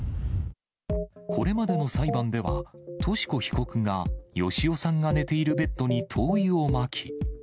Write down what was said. これまでの裁判では、とし子被告が芳男さんが寝ているベッドに灯油をまき。